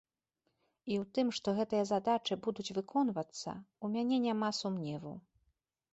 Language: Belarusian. І ў тым, што гэтыя задачы будуць выконвацца, у мяне няма сумневу.